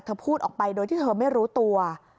ถอดทำไมครับ